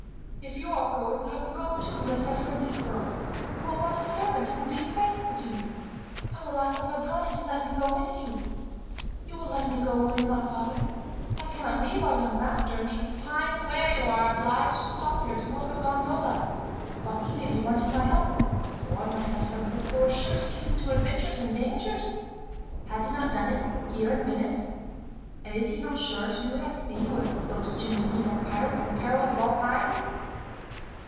"If you are going, I will go too, Messer Francisco. You will want a servant who will be faithful to you. I will ask the padrone to let me go with you. "You will let me go, will you not, father? I cannot leave our young master, and should pine away, were I obliged to stop here to work a gondola; while he may be wanting my help, for Messer Francisco is sure to get into adventures and dangers. Has he not done it here in Venice? and is he not sure to do it at sea, where there are Genoese and pirates, and perils of all kinds?